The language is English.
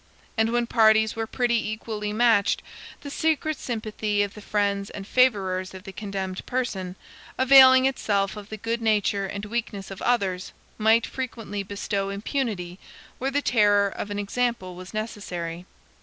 And when parties were pretty equally matched, the secret sympathy of the friends and favorers of the condemned person, availing itself of the good nature and weakness of others, might frequently bestow impunity where the terror of an example was necessary.